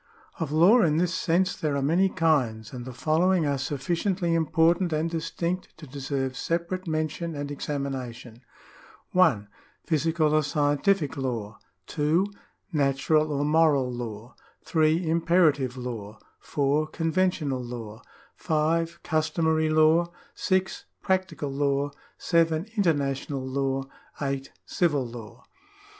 Of law in this sense there are many kinds, and the follow ing are sufficiently important and distinct to deserve separate mention and examination : (1) Physical or Scientific law, (2) Natural or Moral law, (3) Imperative law, (4) Conven tional law, (5) Customary law, (6) Practical law, (7) Inter national law, (8) Civil law.